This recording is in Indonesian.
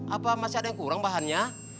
apa masih ada yang kurang bahannya